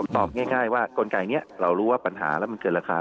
ตอบง่ายว่ากลไกนี้เรารู้ว่าปัญหาแล้วมันเกินราคา